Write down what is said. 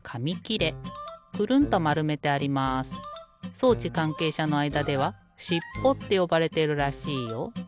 装置かんけいしゃのあいだではしっぽってよばれているらしいよ。